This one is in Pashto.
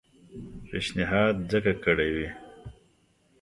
پېشنهاد ځکه کړی وي.